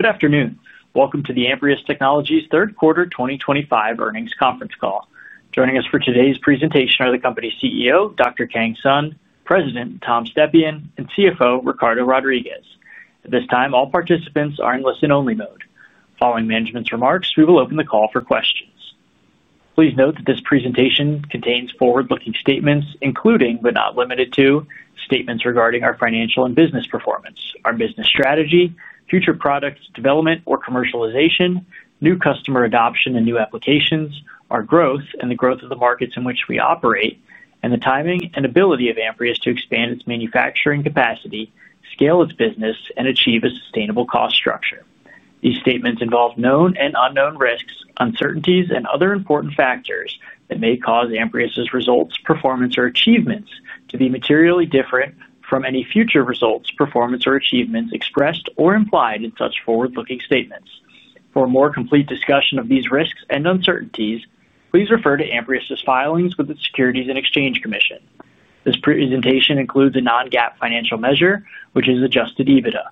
Good afternoon. Welcome to the Amprius Technologies third quarter 2025 earnings conference call. Joining us for today's presentation are the company CEO, Dr. Kang Sun, President Tom Stepien, and CFO Ricardo Rodriguez. At this time, all participants are in listen-only mode. Following management's remarks, we will open the call for questions. Please note that this presentation contains forward-looking statements, including but not limited to statements regarding our financial and business performance, our business strategy, future product development or commercialization, new customer adoption and new applications, our growth and the growth of the markets in which we operate, and the timing and ability of Amprius to expand its manufacturing capacity, scale its business, and achieve a sustainable cost structure. These statements involve known and unknown risks, uncertainties, and other important factors that may cause Amprius Technologies' results, performance, or achievements to be materially different from any future results, performance, or achievements expressed or implied in such forward-looking statements. For a more complete discussion of these risks and uncertainties, please refer to Amprius Technologies' filings with the Securities and Exchange Commission. This presentation includes a non-GAAP financial measure, which is adjusted EBITDA.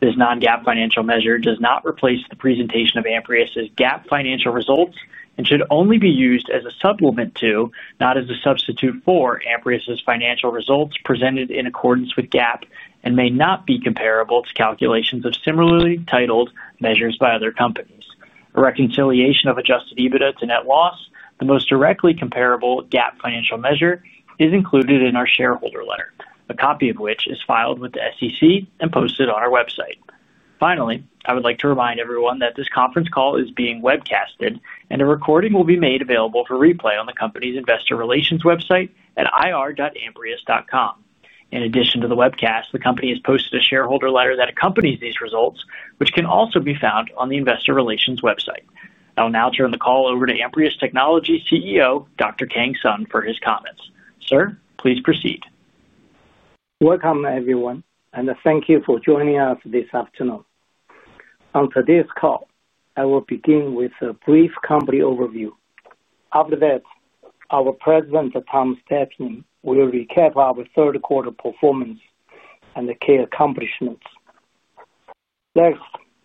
This non-GAAP financial measure does not replace the presentation of Amprius Technologies' GAAP financial results and should only be used as a supplement to, not as a substitute for, Amprius Technologies' financial results presented in accordance with GAAP and may not be comparable to calculations of similarly titled measures by other companies. A reconciliation of adjusted EBITDA to net loss, the most directly comparable GAAP financial measure, is included in our shareholder letter, a copy of which is filed with the SEC and posted on our website. Finally, I would like to remind everyone that this conference call is being webcast, and a recording will be made available for replay on the company's Investor Relations website at ir.amprius.com. In addition to the webcast, the company has posted a shareholder letter that accompanies these results, which can also be found on the Investor Relations website. I will now turn the call over to Amprius Technologies' CEO, Dr. Kang Sun, for his comments. Sir, please proceed. Welcome, everyone, and thank you for joining us this afternoon. On today's call, I will begin with a brief company overview. After that, our President, Tom Stepien, will recap our third quarter performance and key accomplishments. Next,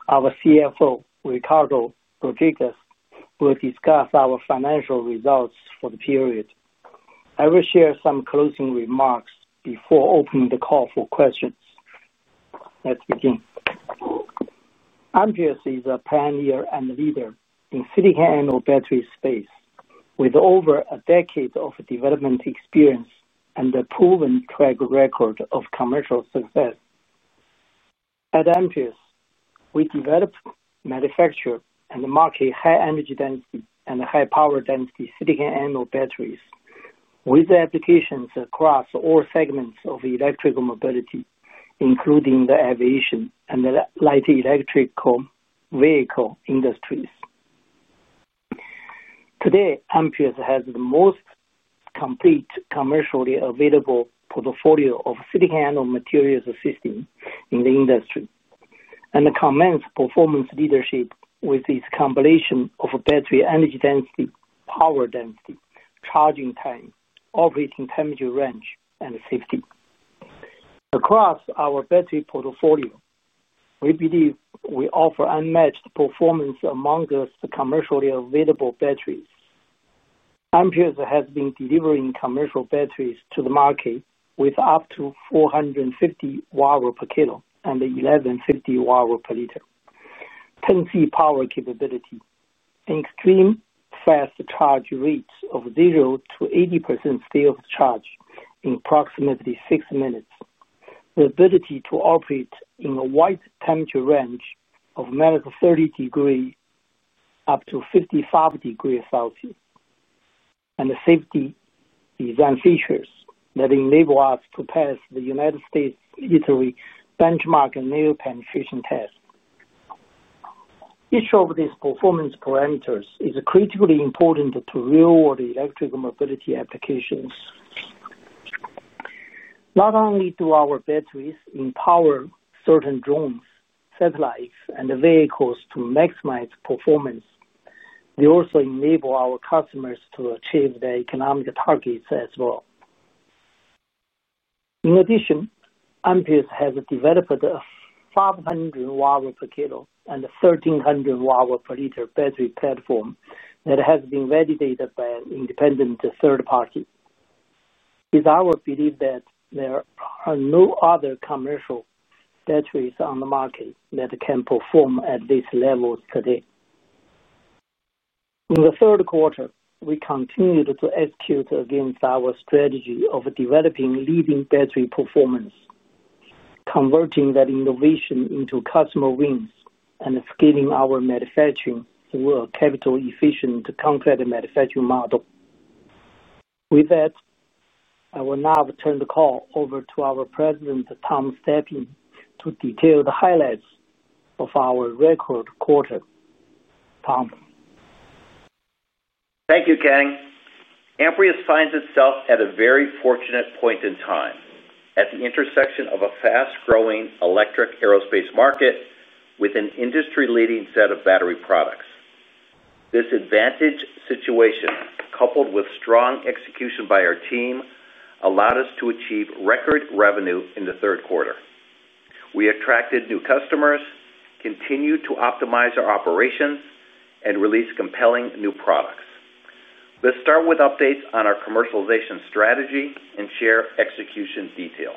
our CFO, Ricardo Rodriguez, will discuss our financial results for the period. I will share some closing remarks before opening the call for questions. Let's begin. Amprius is a pioneer and leader in the silicon anode battery space, with over a decade of development experience and a proven track record of commercial success. At Amprius, we develop, manufacture, and market high-energy density and high-power density silicon anode batteries with applications across all segments of electrical mobility, including the aviation and the light electric vehicle industries. Today, Amprius Technologies has the most complete commercially available portfolio of silicon anode materials systems in the industry and commands performance leadership with its combination of battery energy density, power density, charging time, operating temperature range, and safety. Across our battery portfolio, we believe we offer unmatched performance amongst the commercially available batteries. Amprius Technologies has been delivering commercial batteries to the market with up to 450 Wh/kg and 1,150 Wh/L. 10C power capability, extreme fast charge rates of 0-80% state of charge in approximately six minutes, the ability to operate in a wide temperature range of minus 30 degrees to 55 degrees Celsius, and the safety design features that enable us to pass the United States military benchmark and NATO penetration test. Each of these performance parameters is critically important to real-world electrical mobility applications. Not only do our batteries empower certain drones, satellites, and vehicles to maximize performance. They also enable our customers to achieve their economic targets as well. In addition, Amprius has developed a 500 Wh/kg and a 1,300 Wh/L battery platform that has been validated by an independent third party. It is our belief that there are no other commercial batteries on the market that can perform at these levels today. In the third quarter, we continued to execute against our strategy of developing leading battery performance, converting that innovation into customer wins and scaling our manufacturing to a capital-efficient concrete manufacturing model. With that, I will now turn the call over to our President, Tom Stepien, to detail the highlights of our record quarter. Tom. Thank you, Kang. Amprius finds itself at a very fortunate point in time at the intersection of a fast-growing electric aerospace market with an industry-leading set of battery products. This advantaged situation, coupled with strong execution by our team, allowed us to achieve record revenue in the third quarter. We attracted new customers, continued to optimize our operations, and released compelling new products. Let's start with updates on our commercialization strategy and share execution details.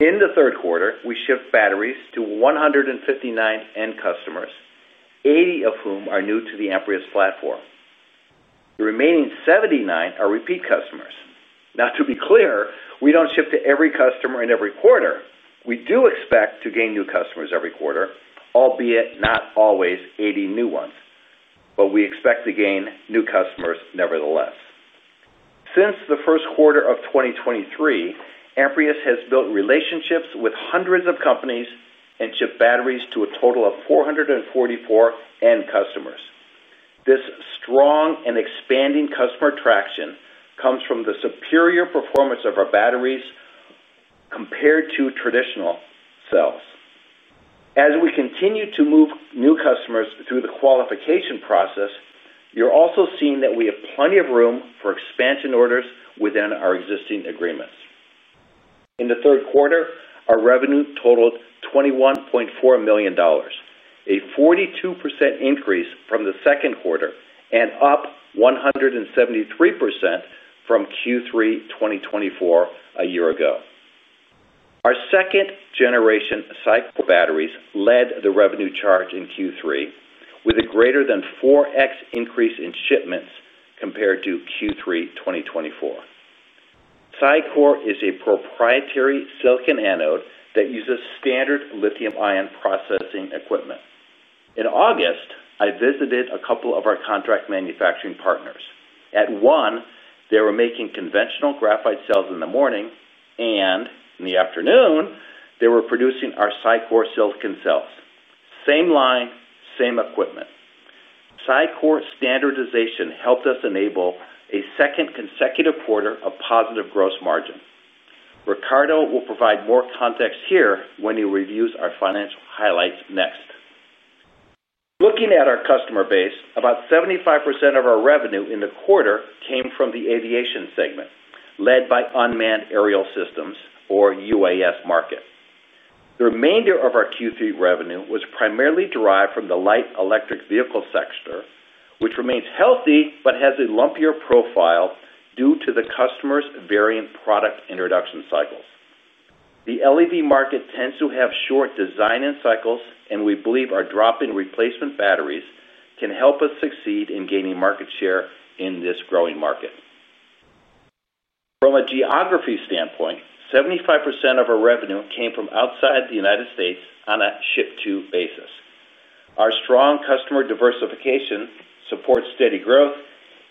In the third quarter, we shipped batteries to 159 end customers, 80 of whom are new to the Amprius platform. The remaining 79 are repeat customers. Now, to be clear, we don't ship to every customer in every quarter. We do expect to gain new customers every quarter, albeit not always 80 new ones, but we expect to gain new customers nevertheless. Since the first quarter of 2023, Amprius has built relationships with hundreds of companies and shipped batteries to a total of 444 end customers. This strong and expanding customer traction comes from the superior performance of our batteries compared to traditional cells. As we continue to move new customers through the qualification process, you're also seeing that we have plenty of room for expansion orders within our existing agreements. In the third quarter, our revenue totaled $21.4 million, a 42% increase from the second quarter and up 173% from Q3 2023 a year ago. Our second-generation CyCore batteries led the revenue charge in Q3 with a greater than 4X increase in shipments compared to Q3 2023. CyCore is a proprietary silicon anode that uses standard lithium-ion processing equipment. In August, I visited a couple of our contract manufacturing partners. At one, they were making conventional graphite cells in the morning, and in the afternoon, they were producing our CyCore silicon cells. Same line, same equipment. CyCore standardization helped us enable a second consecutive quarter of positive gross margin. Ricardo will provide more context here when he reviews our financial highlights next. Looking at our customer base, about 75% of our revenue in the quarter came from the aviation segment, led by unmanned aerial systems, or UAS market. The remainder of our Q3 revenue was primarily derived from the light electric vehicle sector, which remains healthy but has a lumpier profile due to the customer's varying product introduction cycles. The LEV market tends to have short design and cycles, and we believe our drop-in replacement batteries can help us succeed in gaining market share in this growing market. From a geography standpoint, 75% of our revenue came from outside the United States on a ship-to basis. Our strong customer diversification supports steady growth,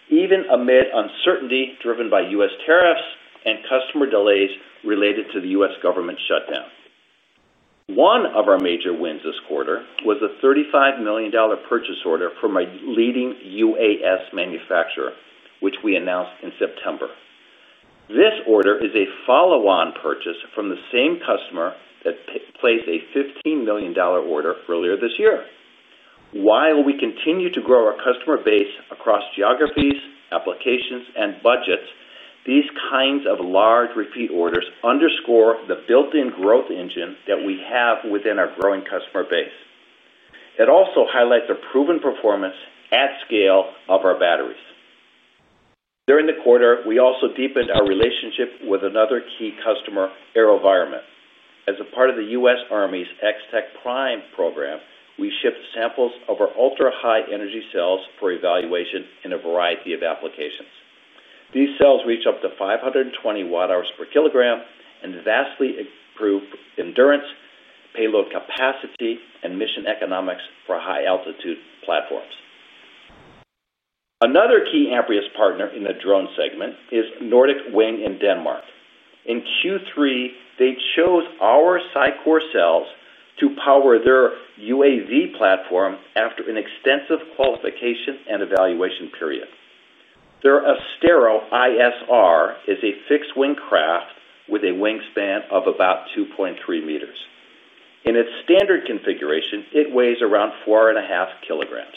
even amid uncertainty driven by US tariffs and customer delays related to the US government shutdown. One of our major wins this quarter was a $35 million purchase order from a leading UAS manufacturer, which we announced in September. This order is a follow-on purchase from the same customer that placed a $15 million order earlier this year. While we continue to grow our customer base across geographies, applications, and budgets, these kinds of large repeat orders underscore the built-in growth engine that we have within our growing customer base. It also highlights the proven performance at scale of our batteries. During the quarter, we also deepened our relationship with another key customer, AeroVironment. As a part of the US Army's X-Tech Prime program, we shipped samples of our ultra-high energy cells for evaluation in a variety of applications. These cells reach up to 520 Wh/kg and vastly improve endurance, payload capacity, and mission economics for high-altitude platforms. Another key Amprius partner in the drone segment is Nordic Wing in Denmark. In Q3, they chose our CyCore cells to power their UAV platform after an extensive qualification and evaluation period. Their Astero ISR is a fixed-wing craft with a wingspan of about 2.3 meters. In its standard configuration, it weighs around 4.5 kilograms.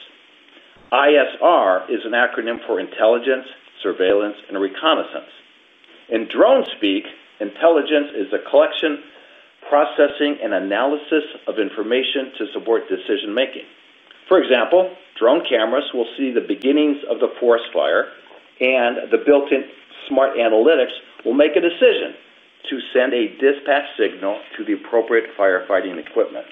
ISR is an acronym for intelligence, surveillance, and reconnaissance. In drone speak, intelligence is the collection, processing, and analysis of information to support decision-making. For example, drone cameras will see the beginnings of the forest fire, and the built-in smart analytics will make a decision to send a dispatch signal to the appropriate firefighting equipment.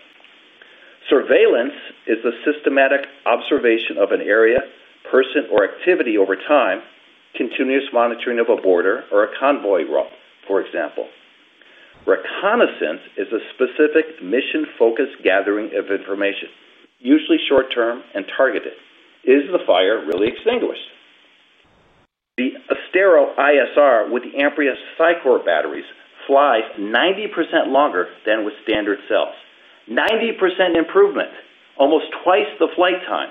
Surveillance is the systematic observation of an area, person, or activity over time, continuous monitoring of a border or a convoy route, for example. Reconnaissance is a specific mission-focused gathering of information, usually short-term and targeted. Is the fire really extinguished? The Astero ISR, with the Amprius CyCore batteries, flies 90% longer than with standard cells. 90% improvement, almost twice the flight time.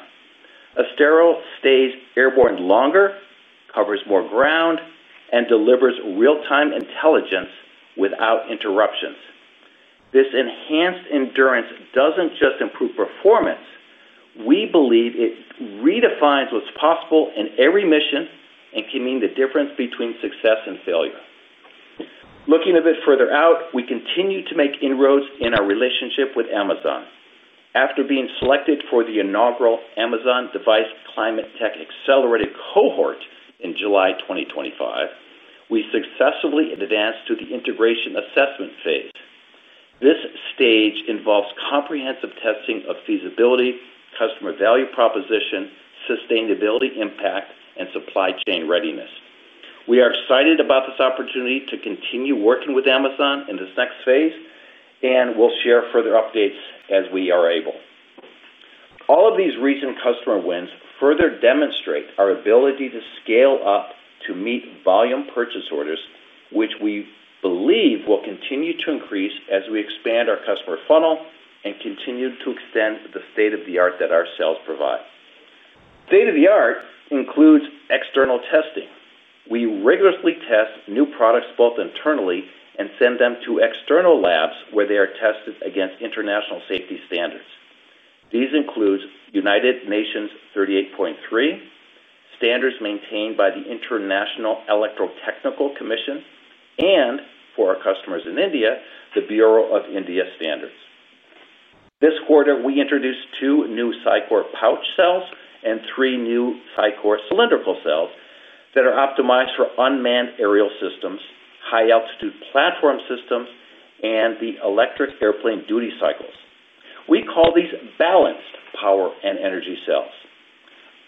Astero stays airborne longer, covers more ground, and delivers real-time intelligence without interruptions. This enhanced endurance does not just improve performance; we believe it redefines what is possible in every mission and can mean the difference between success and failure. Looking a bit further out, we continue to make inroads in our relationship with Amazon. After being selected for the inaugural Amazon Device Climate Tech Accelerator cohort in July 2023, we successfully advanced to the integration assessment phase. This stage involves comprehensive testing of feasibility, customer value proposition, sustainability impact, and supply chain readiness. We are excited about this opportunity to continue working with Amazon in this next phase, and we'll share further updates as we are able. All of these recent customer wins further demonstrate our ability to scale up to meet volume purchase orders, which we believe will continue to increase as we expand our customer funnel and continue to extend the state of the art that our cells provide. State of the art includes external testing. We rigorously test new products both internally and send them to external labs where they are tested against international safety standards. These include UN 38.3. Standards maintained by the International Electrotechnical Commission, and for our customers in India, the Bureau of Indian Standards. This quarter, we introduced two new CyCore pouch cells and three new CyCore cylindrical cells that are optimized for unmanned aerial systems, high-altitude platform systems, and the electric airplane duty cycles. We call these balanced power and energy cells.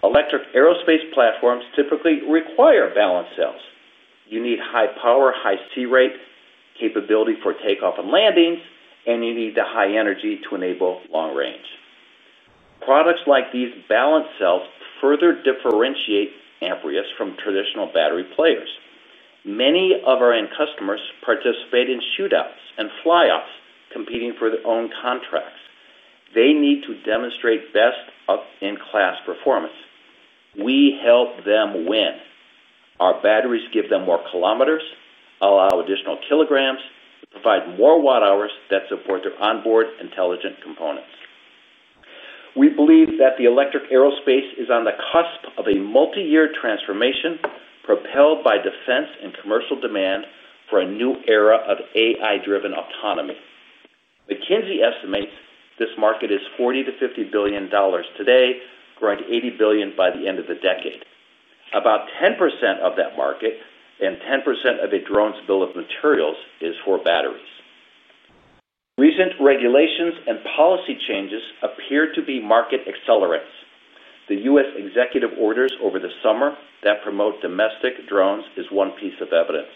Electric aerospace platforms typically require balanced cells. You need high power, high C rate, capability for takeoff and landings, and you need the high energy to enable long range. Products like these balanced cells further differentiate Amprius from traditional battery players. Many of our end customers participate in shootouts and fly-offs competing for their own contracts. They need to demonstrate best-in-class performance. We help them win. Our batteries give them more kilometers, allow additional kilograms, and provide more watt-hours that support their onboard intelligent components. We believe that the electric aerospace is on the cusp of a multi-year transformation propelled by defense and commercial demand for a new era of AI-driven autonomy. McKinsey estimates this market is $40 billion-$50 billion today, growing to $80 billion by the end of the decade. About 10% of that market and 10% of a drone's bill of materials is for batteries. Recent regulations and policy changes appear to be market accelerants. The U.S. executive orders over the summer that promote domestic drones are one piece of evidence.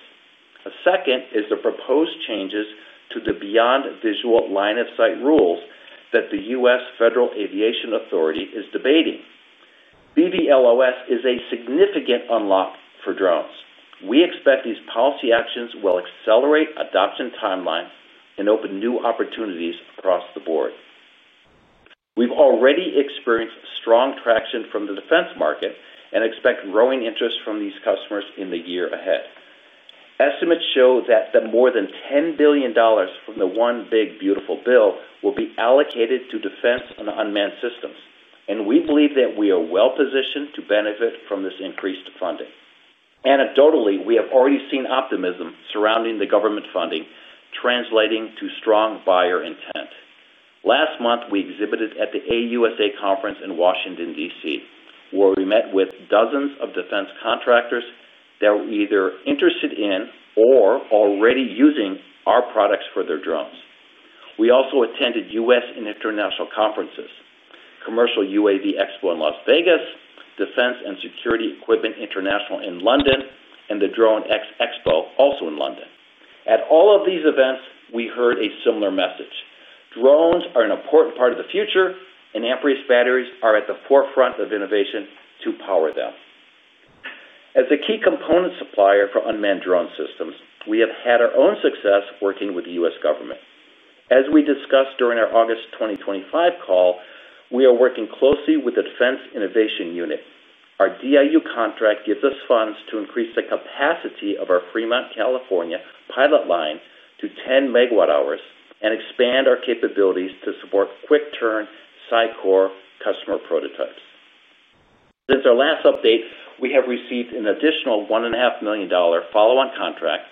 A second is the proposed changes to the beyond-visual line-of-sight rules that the U.S. Federal Aviation Authority is debating. BVLOS is a significant unlock for drones. We expect these policy actions will accelerate adoption timelines and open new opportunities across the board. We've already experienced strong traction from the defense market and expect growing interest from these customers in the year ahead. Estimates show that more than $10 billion from the one big beautiful bill will be allocated to defense and unmanned systems, and we believe that we are well-positioned to benefit from this increased funding. Anecdotally, we have already seen optimism surrounding the government funding translating to strong buyer intent. Last month, we exhibited at the AUSA conference in Washington, DC, where we met with dozens of defense contractors that were either interested in or already using our products for their drones. We also attended US and international conferences: Commercial UAV Expo in Las Vegas, Defense and Security Equipment International in London, and the DroneX Expo also in London. At all of these events, we heard a similar message. Drones are an important part of the future, and Amprius batteries are at the forefront of innovation to power them. As a key component supplier for unmanned drone systems, we have had our own success working with the US government. As we discussed during our August 2023 call, we are working closely with the Defense Innovation Unit. Our DIU contract gives us funds to increase the capacity of our Fremont, California pilot line to 10 megawatt hours and expand our capabilities to support quick-turn CyCore customer prototypes. Since our last update, we have received an additional $1.5 million follow-on contract,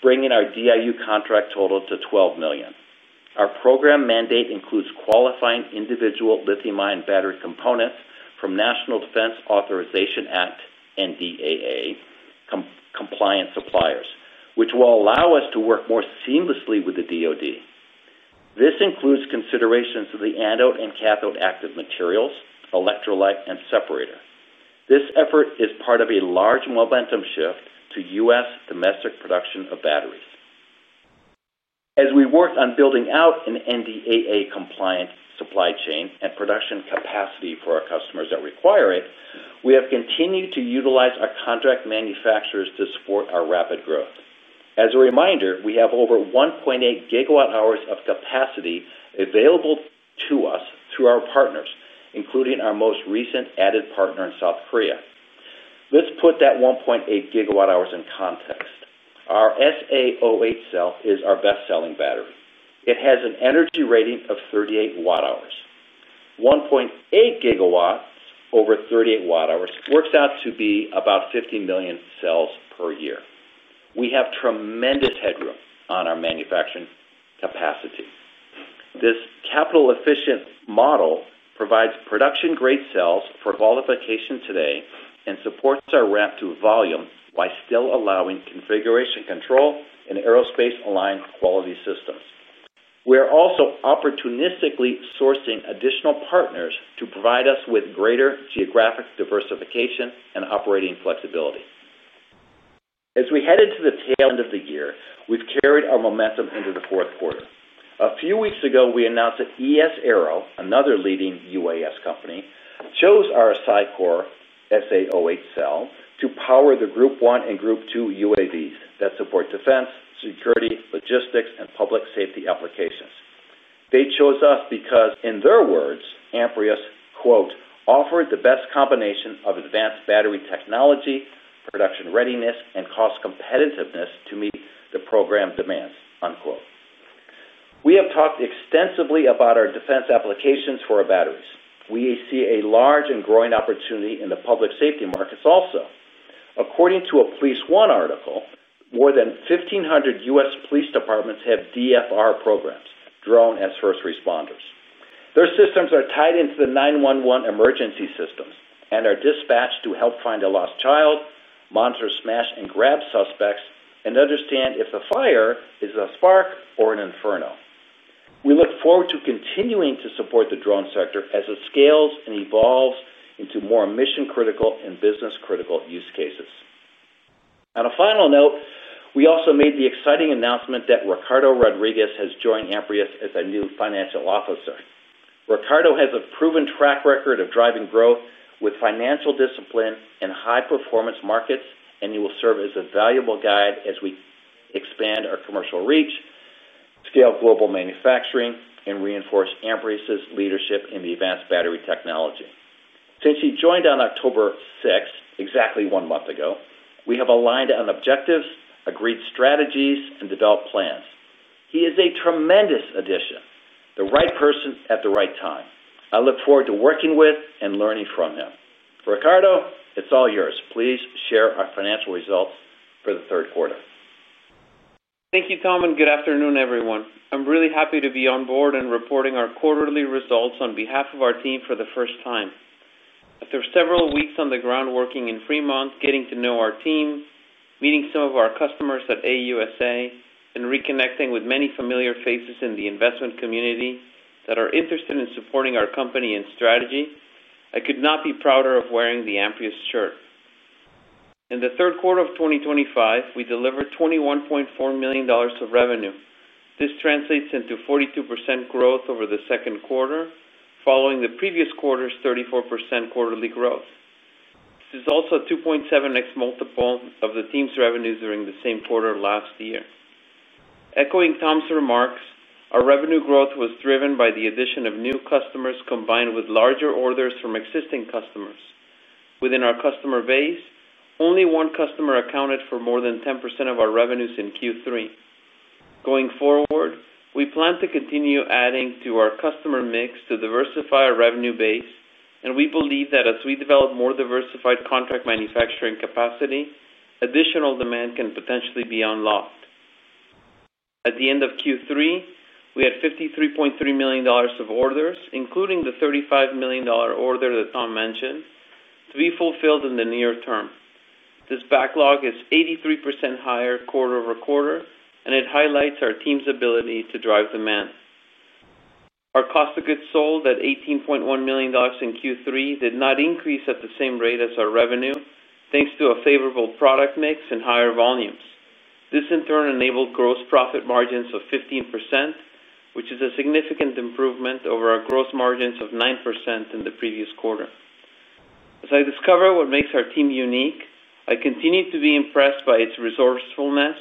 bringing our DIU contract total to $12 million. Our program mandate includes qualifying individual lithium-ion battery components from National Defense Authorization Act (NDAA) compliance suppliers, which will allow us to work more seamlessly with the DOD. This includes considerations of the anode and cathode active materials, electrolyte, and separator. This effort is part of a large momentum shift to US domestic production of batteries. As we work on building out an NDAA-compliant supply chain and production capacity for our customers that require it, we have continued to utilize our contract manufacturers to support our rapid growth. As a reminder, we have over 1.8 gigawatt hours of capacity available to us through our partners, including our most recent added partner in South Korea. Let's put that 1.8 gigawatt hours in context. Our SA08 cell is our best-selling battery. It has an energy rating of 38 watt-hours. 1.8 gigawatt hours over 38 watt-hours works out to be about 50 million cells per year. We have tremendous headroom on our manufacturing capacity. This capital-efficient model provides production-grade cells for qualification today and supports our ramp to volume while still allowing configuration control and aerospace-aligned quality systems. We are also opportunistically sourcing additional partners to provide us with greater geographic diversification and operating flexibility. As we head into the tail end of the year, we've carried our momentum into the fourth quarter. A few weeks ago, we announced that ES Aero, another leading UAS company, chose our CyCore SA08 cell to power the Group 1 and Group 2 UAVs that support defense, security, logistics, and public safety applications. They chose us because, in their words, Amprius "offered the best combination of advanced battery technology, production readiness, and cost competitiveness to meet the program demands." We have talked extensively about our defense applications for our batteries. We see a large and growing opportunity in the public safety markets also. According to a PoliceOne article, more than 1,500 US police departments have DFR programs, drone as first responders. Their systems are tied into the 911 emergency systems and are dispatched to help find a lost child, monitor smash-and-grab suspects, and understand if the fire is a spark or an inferno. We look forward to continuing to support the drone sector as it scales and evolves into more mission-critical and business-critical use cases. On a final note, we also made the exciting announcement that Ricardo Rodriguez has joined Amprius Technologies as a new financial officer. Ricardo has a proven track record of driving growth with financial discipline and high-performance markets, and he will serve as a valuable guide as we expand our commercial reach, scale global manufacturing, and reinforce Amprius' leadership in the advanced battery technology. Since he joined on October 6th, exactly one month ago, we have aligned on objectives, agreed strategies, and developed plans. He is a tremendous addition, the right person at the right time. I look forward to working with and learning from him. Ricardo, it's all yours. Please share our financial results for the third quarter. Thank you, Tom, and good afternoon, everyone. I'm really happy to be on board and reporting our quarterly results on behalf of our team for the first time. After several weeks on the ground working in Fremont, getting to know our team, meeting some of our customers at AUSA, and reconnecting with many familiar faces in the investment community that are interested in supporting our company and strategy, I could not be prouder of wearing the Amprius shirt. In the third quarter of 2025, we delivered $21.4 million of revenue. This translates into 42% growth over the second quarter, following the previous quarter's 34% quarterly growth. This is also a 2.7X multiple of the team's revenues during the same quarter last year. Echoing Tom's remarks, our revenue growth was driven by the addition of new customers combined with larger orders from existing customers. Within our customer base, only one customer accounted for more than 10% of our revenues in Q3. Going forward, we plan to continue adding to our customer mix to diversify our revenue base, and we believe that as we develop more diversified contract manufacturing capacity, additional demand can potentially be unlocked. At the end of Q3, we had $53.3 million of orders, including the $35 million order that Tom mentioned, to be fulfilled in the near term. This backlog is 83% higher quarter over quarter, and it highlights our team's ability to drive demand. Our cost of goods sold at $18.1 million in Q3 did not increase at the same rate as our revenue, thanks to a favorable product mix and higher volumes. This, in turn, enabled gross profit margins of 15%, which is a significant improvement over our gross margins of 9% in the previous quarter. As I discover what makes our team unique, I continue to be impressed by its resourcefulness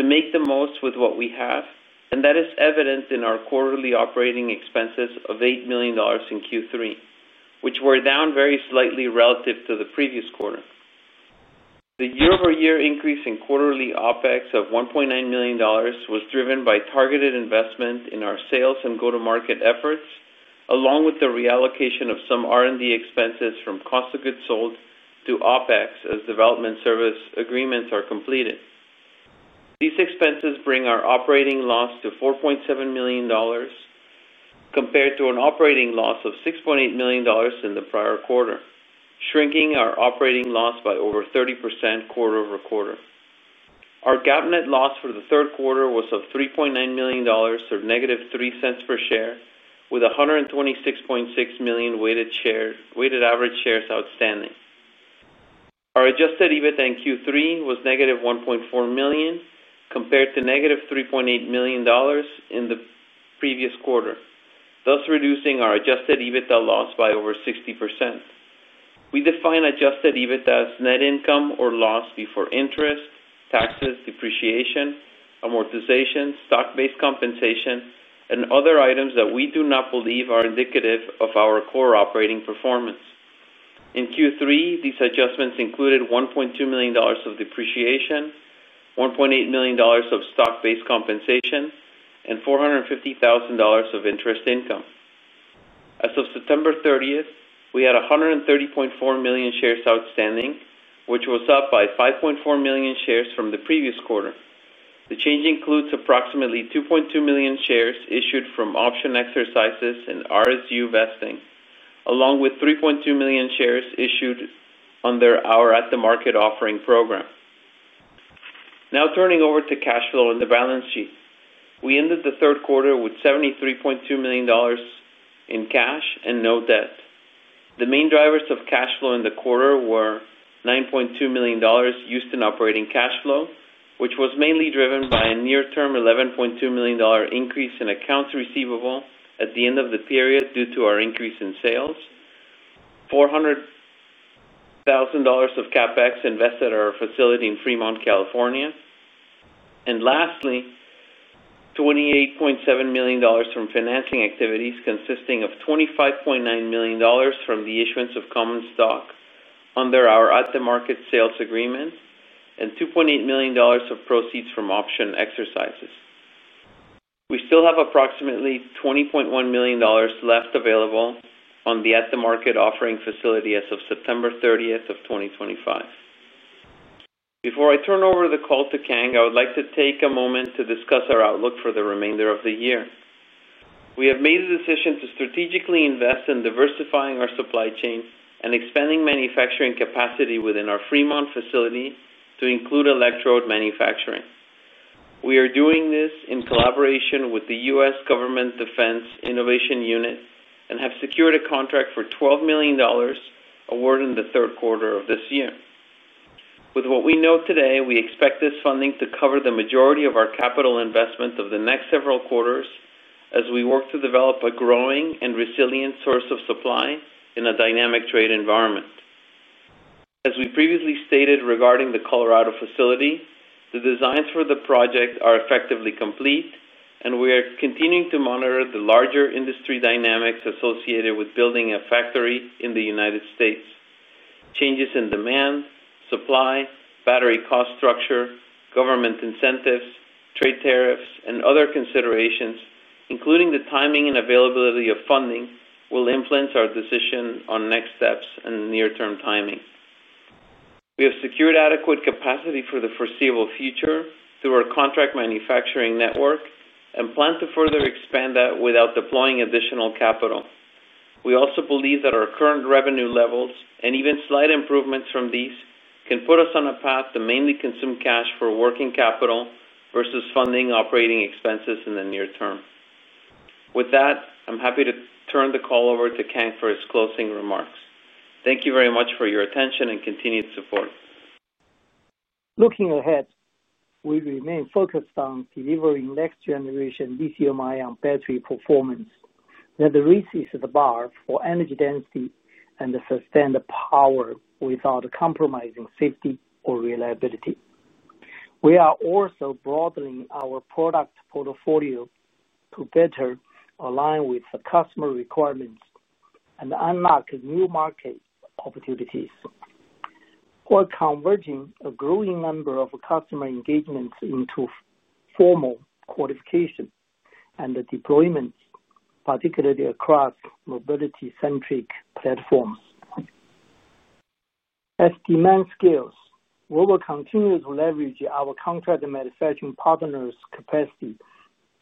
to make the most with what we have, and that is evident in our quarterly operating expenses of $8 million in Q3, which were down very slightly relative to the previous quarter. The year-over-year increase in quarterly OPEX of $1.9 million was driven by targeted investment in our sales and go-to-market efforts, along with the reallocation of some R&D expenses from cost of goods sold to OPEX as development service agreements are completed. These expenses bring our operating loss to $4.7 million. Compared to an operating loss of $6.8 million in the prior quarter, shrinking our operating loss by over 30% quarter over quarter. Our GAAP net loss for the third quarter was $3.9 million or negative $0.03 per share, with 126.6 million weighted average shares outstanding. Our adjusted EBITDA in Q3 was negative $1.4 million compared to negative $3.8 million in the previous quarter, thus reducing our adjusted EBITDA loss by over 60%. We define adjusted EBITDA as net income or loss before interest, taxes, depreciation, amortization, stock-based compensation, and other items that we do not believe are indicative of our core operating performance. In Q3, these adjustments included $1.2 million of depreciation, $1.8 million of stock-based compensation, and $450,000 of interest income. As of September 30, we had 130.4 million shares outstanding, which was up by 5.4 million shares from the previous quarter. The change includes approximately 2.2 million shares issued from option exercises and RSU vesting, along with 3.2 million shares issued under our at-the-market offering program. Now turning over to cash flow and the balance sheet. We ended the third quarter with $73.2 million in cash and no debt. The main drivers of cash flow in the quarter were $9.2 million used in operating cash flow, which was mainly driven by a near-term $11.2 million increase in accounts receivable at the end of the period due to our increase in sales. $400,000 of CapEx invested at our facility in Fremont, California. Lastly, $28.7 million from financing activities consisting of $25.9 million from the issuance of common stock under our at-the-market sales agreement and $2.8 million of proceeds from option exercises. We still have approximately $20.1 million left available on the at-the-market offering facility as of September 30, 2025. Before I turn over the call to Kang, I would like to take a moment to discuss our outlook for the remainder of the year. We have made a decision to strategically invest in diversifying our supply chain and expanding manufacturing capacity within our Fremont facility to include electrode manufacturing. We are doing this in collaboration with the US Government Defense Innovation Unit and have secured a contract for $12 million, awarded in the third quarter of this year. With what we know today, we expect this funding to cover the majority of our capital investment over the next several quarters as we work to develop a growing and resilient source of supply in a dynamic trade environment. As we previously stated regarding the Colorado facility, the designs for the project are effectively complete, and we are continuing to monitor the larger industry dynamics associated with building a factory in the United States. Changes in demand, supply, battery cost structure, government incentives, trade tariffs, and other considerations, including the timing and availability of funding, will influence our decision on next steps and near-term timing. We have secured adequate capacity for the foreseeable future through our contract manufacturing network and plan to further expand that without deploying additional capital. We also believe that our current revenue levels and even slight improvements from these can put us on a path to mainly consume cash for working capital versus funding operating expenses in the near term. With that, I'm happy to turn the call over to Kang for his closing remarks. Thank you very much for your attention and continued support. Looking ahead, we remain focused on delivering next-generation lithium-ion battery performance that raises the bar for energy density and sustained power without compromising safety or reliability. We are also broadening our product portfolio to better align with customer requirements and unlock new market opportunities. We're converting a growing number of customer engagements into formal qualification and deployments, particularly across mobility-centric platforms. As demand scales, we will continue to leverage our contract manufacturing partners' capacity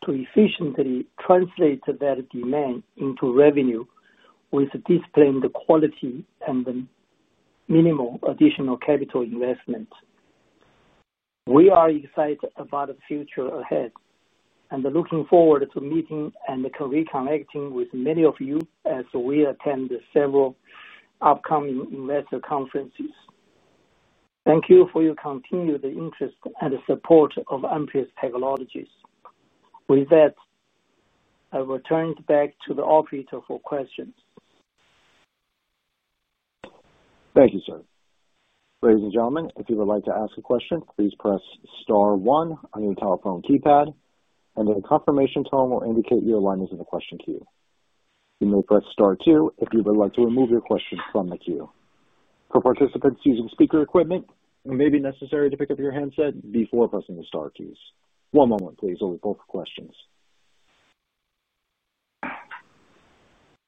to efficiently translate that demand into revenue with disciplined quality and minimal additional capital investment. We are excited about the future ahead and looking forward to meeting and reconnecting with many of you as we attend several upcoming investor conferences. Thank you for your continued interest and support of Amprius Technologies. With that, I will turn it back to the operator for questions. Thank you, sir. Ladies and gentlemen, if you would like to ask a question, please press Star 1 on your telephone keypad, and a confirmation tone will indicate your alignment to the question queue. You may press Star 2 if you would like to remove your question from the queue. For participants using speaker equipment, it may be necessary to pick up your handset before pressing the Star keys. One moment, please, we'll look for questions.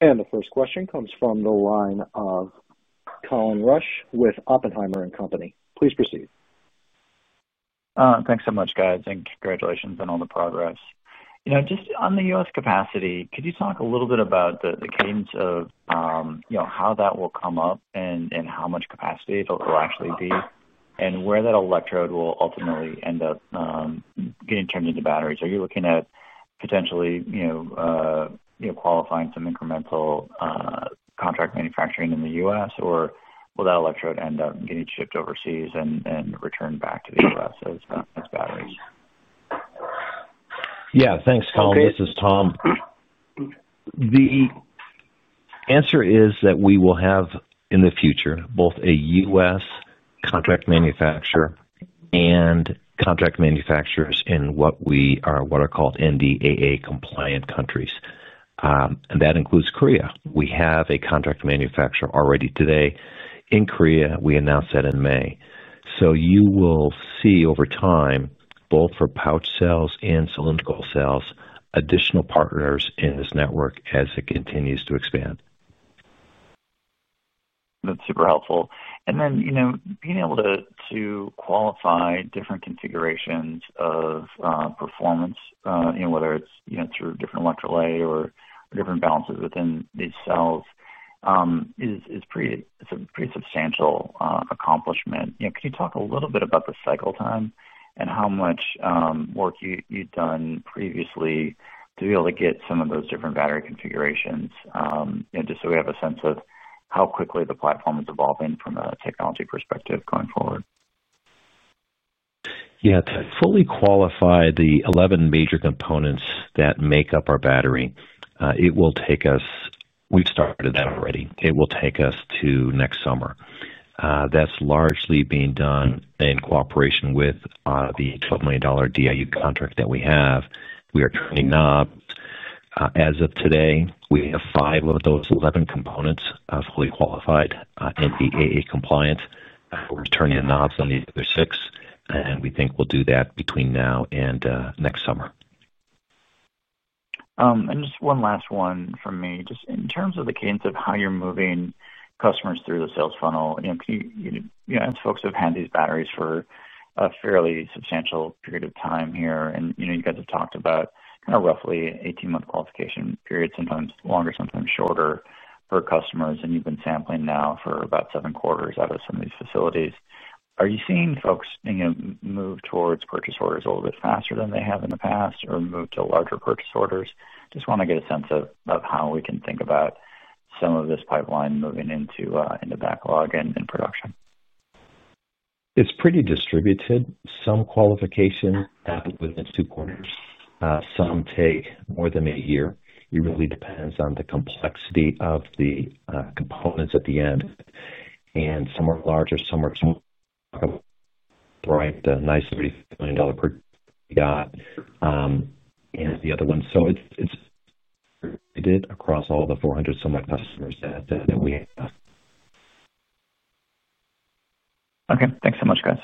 The first question comes from the line of Colin Rush with Oppenheimer & Company. Please proceed. Thanks so much, guys, and congratulations on all the progress. Just on the US capacity, could you talk a little bit about the cadence of how that will come up and how much capacity it'll actually be and where that electrode will ultimately end up getting turned into batteries? Are you looking at potentially qualifying some incremental contract manufacturing in the US, or will that electrode end up getting shipped overseas and returned back to the US as batteries? Yeah, thanks, Tom. This is Tom. Answer is that we will have, in the future, both a US contract manufacturer and contract manufacturers in what are called NDAA-compliant countries. That includes South Korea. We have a contract manufacturer already today in South Korea. We announced that in May. You will see over time, both for pouch cells and cylindrical cells, additional partners in this network as it continues to expand. That's super helpful. Being able to qualify different configurations of performance, whether it's through different electrolyte or different balances within these cells, is a pretty substantial accomplishment. Can you talk a little bit about the cycle time and how much work you've done previously to be able to get some of those different battery configurations, just so we have a sense of how quickly the platform is evolving from a technology perspective going forward? Yeah, to fully qualify the 11 major components that make up our battery, it will take us—we've started that already—it will take us to next summer. That is largely being done in cooperation with the $12 million DIU contract that we have. We are turning knobs. As of today, we have five of those 11 components fully qualified, NDAA-compliant. We're turning the knobs on the other six, and we think we'll do that between now and next summer. Just one last one from me. Just in terms of the cadence of how you're moving customers through the sales funnel, as folks have had these batteries for a fairly substantial period of time here, and you guys have talked about kind of roughly an 18-month qualification perisometimes longer, sometimes shorter for customers, and you've been sampling now for about seven quarters out of some of these facilities. Are you seeing folks move towards purchase orders a little bit faster than they have in the past or move to larger purchase orders? Just want to get a sense of how we can think about some of this pipeline moving into backlog and production. It's pretty distributed. Some qualification happens within two quarters. Some take more than a year. It really depends on the complexity of the components at the end. And some are larger. Some are, right, the nice $35 million per yacht. And the other one. It's across all the 400-some-odd customers that we have. yup Okay. Thanks so much, guys.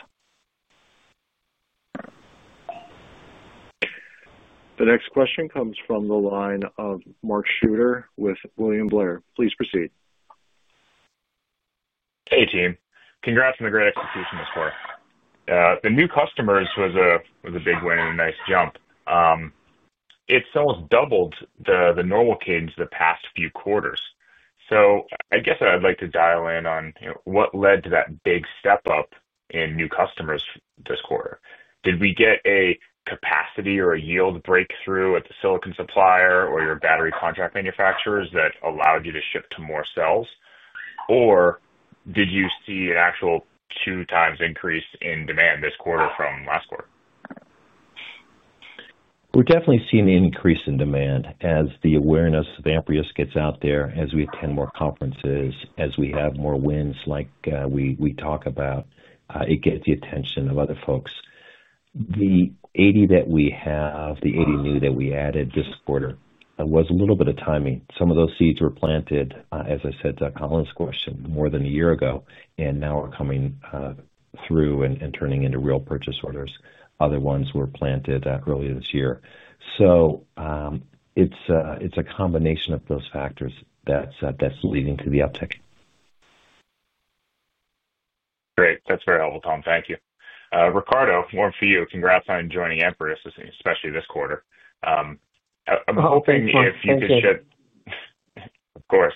The next question comes from the line of Mark Schuter with William Blair. Please proceed. Hey, team. Congrats on the great execution this quarter. The new customers was a big win and a nice jump. It's almost doubled the normal cadence the past few quarters. I guess I'd like to dial in on what led to that big step up in new customers this quarter. Did we get a capacity or a yield breakthrough at the silicon supplier or your battery contract manufacturers that allowed you to shift to more cells? Or did you see an actual two-times increase in demand this quarter from last quarter? We're definitely seeing an increase in demand as the awareness of Amprius gets out there, as we attend more conferences, as we have more wins like we talk about. It gets the attention of other folks. The 80 that we have, the 80 new that we added this quarter, was a little bit of timing. Some of those seeds were planted, as I said to Colin's question, more than a year ago, and now are coming through and turning into real purchase orders. Other ones were planted earlier this year. It is a combination of those factors that is leading to the uptick. Great. That is very helpful, Tom. Thank you. Ricardo, one for you. Congrats on joining Amprius, especially this quarter. I am hoping if you could shed— Of course.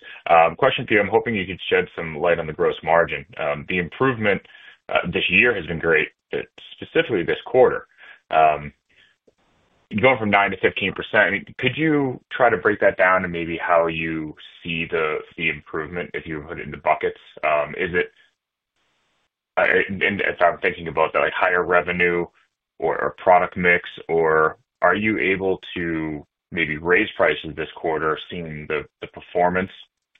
Question for you. I am hoping you could shed some light on the gross margin. The improvement this year has been great, specifically this quarter. Going from 9% to 15%, could you try to break that down to maybe how you see the improvement if you put it into buckets? If I am thinking about that, higher revenue or product mix, or are you able to maybe raise prices this quarter seeing the performance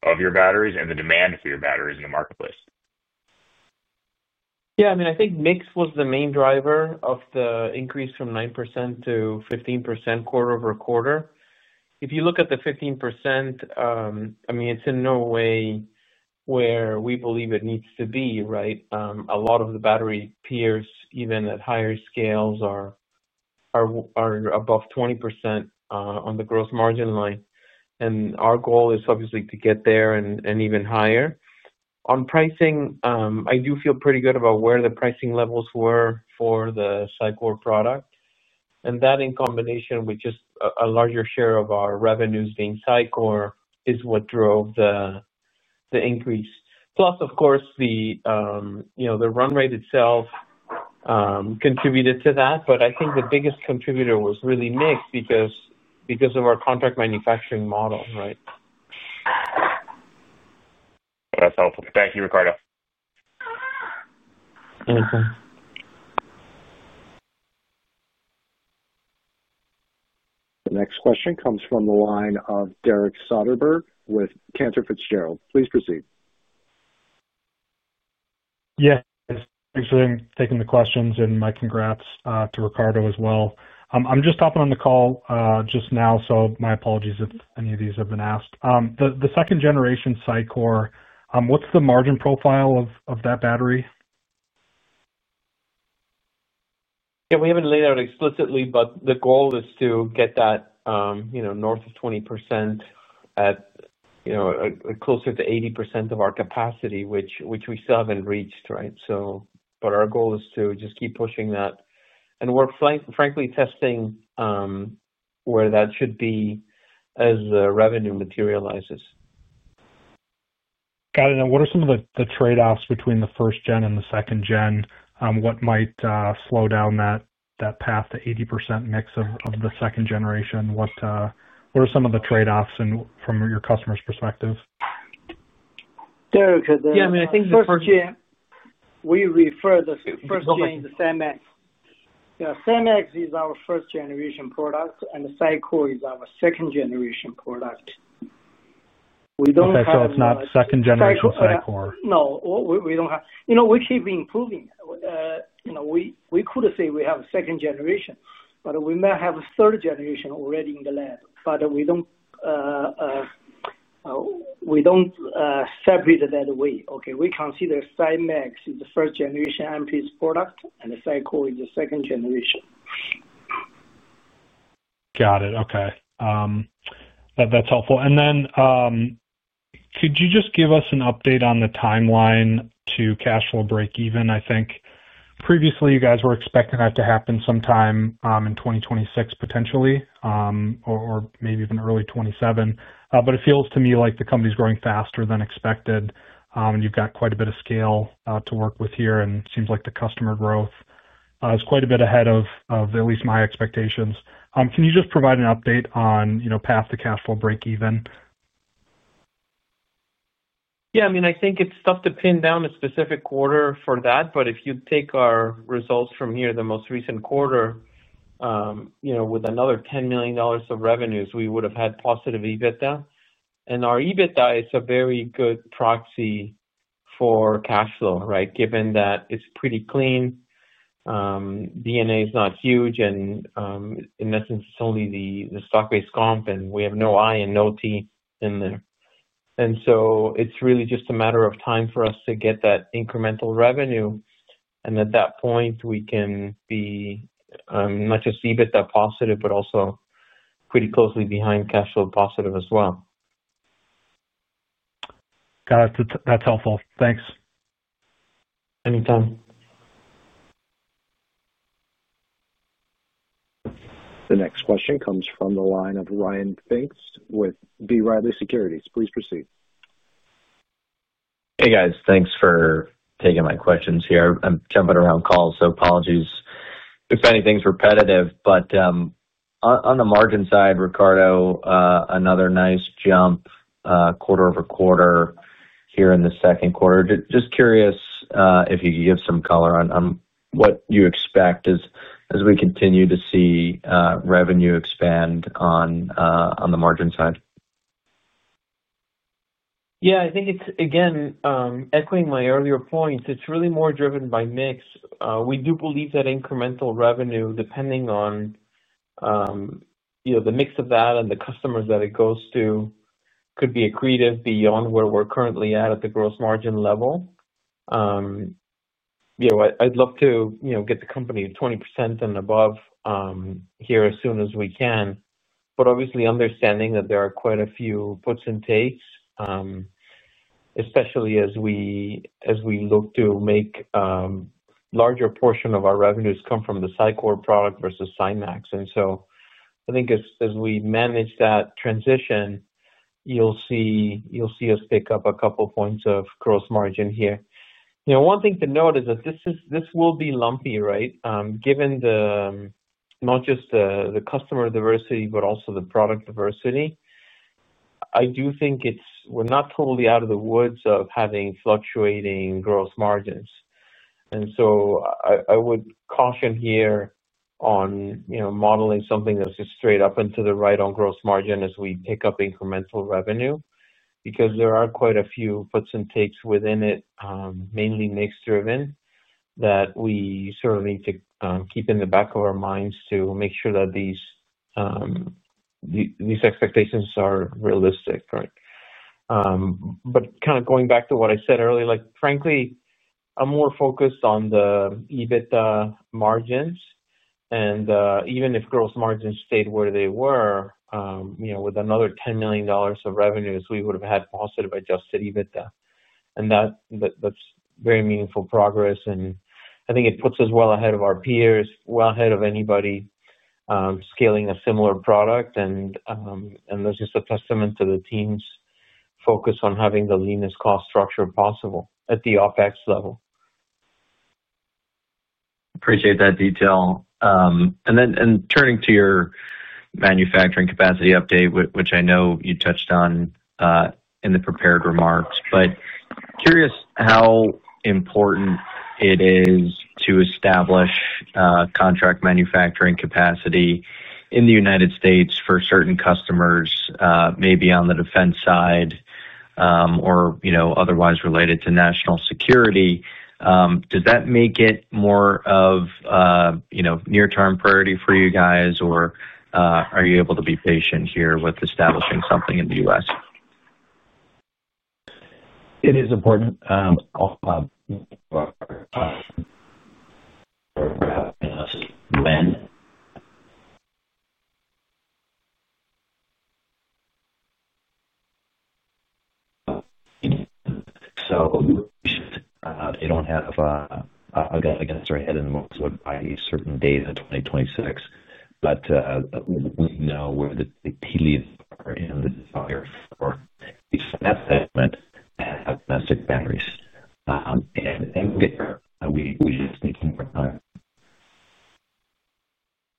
of your batteries and the demand for your batteries in the marketplace? Yeah. I mean, I think mix was the main driver of the increase from 9% to 15% quarter over quarter. If you look at the 15%, I mean, it's in no way where we believe it needs to be, right? A lot of the battery peers, even at higher scales, are above 20% on the gross margin line. Our goal is obviously to get there and even higher. On pricing, I do feel pretty good about where the pricing levels were for the CyCore product. That, in combination with just a larger share of our revenues being CyCore, is what drove the increase. Plus, of course, the run rate itself contributed to that. I think the biggest contributor was really mix because of our contract manufacturing model, right? That's helpful. Thank you, Ricardo. Anytime. The next question comes from the line of Derek Soderbergh with Cantor Fitzgerald. Please proceed. Yes. Thanks for taking the questions. And my congrats to Ricardo as well. I'm just hopping on the call just now, so my apologies if any of these have been asked. The second-generation CyCore, what's the margin profile of that battery? Yeah. We haven't laid out explicitly, but the goal is to get that north of 20%. At closer to 80% of our capacity, which we still haven't reached, right? But our goal is to just keep pushing that. And we're frankly testing where that should be as the revenue materializes. Got it. And what are some of the trade-offs between the first-gen and the second-gen? What might slow down that path to 80% mix of the second generation? What are some of the trade-offs from your customer's perspective? Derek, the—yeah, I mean, I think the first gen. We refer to the first gen as SiMax. Yeah. SiMax is our first-generation product, and CyCore is our second-generation product. We don't have—So it's not second-generation CyCore. No. We don't have—we keep improving. We could say we have a second generation, but we may have a third generation already in the lab. But we don't. Separate that way. Okay? We consider SiMax as the first-generation Amprius product, and CyCore is the second generation. Got it. Okay. That's helpful. And then. Could you just give us an update on the timeline to cash flow break-even? I think previously, you guys were expecting that to happen sometime in 2026, potentially. Or maybe even early 2027. It feels to me like the company's growing faster than expected. You have quite a bit of scale to work with here. It seems like the customer growth is quite a bit ahead of at least my expectations. Can you just provide an update on path to cash flow break-even? Yeah. I mean, I think it's tough to pin down a specific quarter for that. If you take our results from here, the most recent quarter, with another $10 million of revenues, we would have had positive EBITDA. Our EBITDA is a very good proxy for cash flow, right, given that it's pretty clean. D&A is not huge, and in essence, it's only the stock-based comp, and we have no I and no T in there. It's really just a matter of time for us to get that incremental revenue. At that point, we can be not just EBITDA positive, but also pretty closely behind cash flow positive as well. Got it. That's helpful. Thanks. Anytime. The next question comes from the line of Ryan Finks with B. Riley Securities. Please proceed. Hey, guys. Thanks for taking my questions here. I'm jumping around calls, so apologies if anything's repetitive. On the margin side, Ricardo, another nice jump quarter over quarter here in the second quarter. Just curious if you could give some color on what you expect as we continue to see revenue expand on the margin side? Yeah. I think it's, again, echoing my earlier points, it's really more driven by mix. We do believe that incremental revenue, depending on the mix of that and the customers that it goes to, could be accretive beyond where we're currently at at the gross margin level. I'd love to get the company 20% and above here as soon as we can. Obviously, understanding that there are quite a few puts and takes, especially as we look to make a larger portion of our revenues come from the CyCore product versus SiMax. I think as we manage that transition, you'll see us pick up a couple of points of gross margin here. One thing to note is that this will be lumpy, right? Given not just the customer diversity, but also the product diversity. I do think we're not totally out of the woods of having fluctuating gross margins. I would caution here on modeling something that's just straight up into the right on gross margin as we pick up incremental revenue because there are quite a few puts and takes within it, mainly mixed-driven, that we certainly need to keep in the back of our minds to make sure that these expectations are realistic, right? Kind of going back to what I said earlier, frankly, I'm more focused on the EBITDA margins. Even if gross margins stayed where they were, with another $10 million of revenues, we would have had positive adjusted EBITDA. That is very meaningful progress. I think it puts us well ahead of our peers, well ahead of anybody scaling a similar product. That is just a testament to the team's focus on having the leanest cost structure possible at the OpEx level. Appreciate that detail. Turning to your manufacturing capacity update, which I know you touched on in the prepared remarks, but curious how important it is to establish contract manufacturing capacity in the United States for certain customers, maybe on the defense side or otherwise related to national security. Does that make it more of a near-term priority for you guys, or are you able to be patient here with establishing something in the U.S.? It is important. We should—I do not have. Again, I'm going to throw your head in the woods by a certain date in 2026. We know where the tea leaves are in the desire for domestic batteries, and we just need some more time.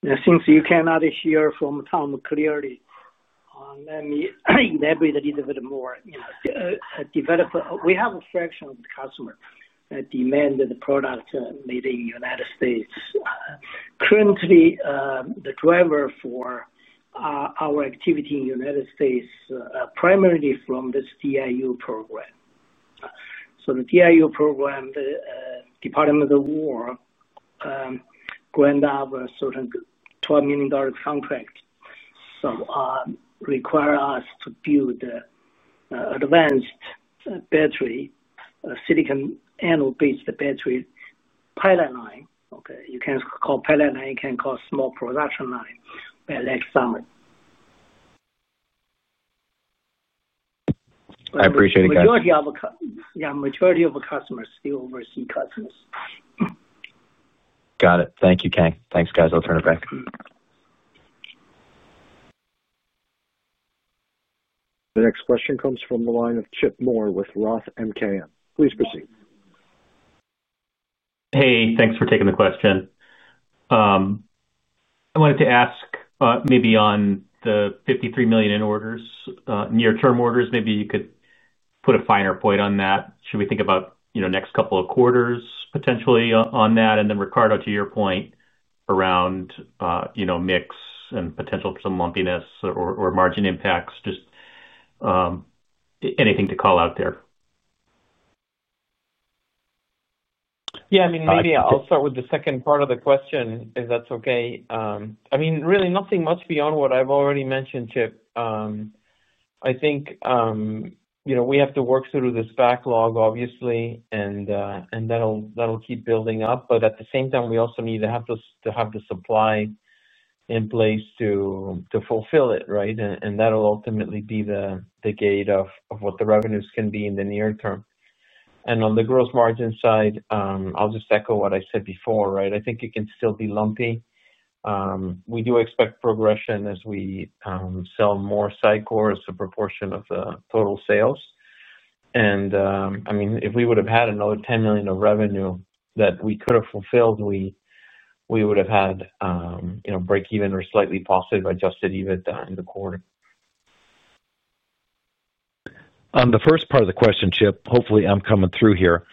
Yeah. Seems you cannot hear from Tom clearly. Let me elaborate a little bit more. We have a fraction of the customer that demanded the product made in the United States. Currently, the driver for our activity in the United States is primarily from this DIU program. The DIU program, the Department of Defense, granted us a $12 million contract. It requires us to build an advanced battery, a silicon anode-based battery pilot line. Okay? You can call it a pilot line, you can call it a small production line by next summer. I appreciate it, guys. Yeah. Majority of our customers still oversee customers. Got it. Thank you, Ken. Thanks, guys. I'll turn it back. The next question comes from the line of Chip Moore with Roth MKM. Please proceed. Hey, thanks for taking the question. I wanted to ask maybe on the $53 million in orders, near-term orders, maybe you could put a finer point on that. Should we think about the next couple of quarters, potentially, on that? And then, Ricardo, to your point around mix and potential for some lumpiness or margin impacts, just anything to call out there? Yeah. I mean, maybe I'll start with the second part of the question, if that's okay. I mean, really, nothing much beyond what I've already mentioned, Chip. I think we have to work through this backlog, obviously, and that'll keep building up. At the same time, we also need to have the supply in place to fulfill it, right? That'll ultimately be the gate of what the revenues can be in the near term. On the gross margin side, I'll just echo what I said before, right? I think it can still be lumpy. We do expect progression as we sell more CyCore as a proportion of the total sales. I mean, if we would have had another $10 million of revenue that we could have fulfilled, we would have had break-even or slightly positive adjusted EBITDA in the quarter. On the first part of the question, Chip, hopefully, I'm coming through here.